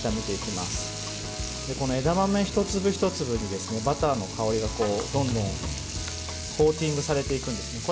この枝豆一粒一粒にバターの香りがどんどんコーティングされていくんですね。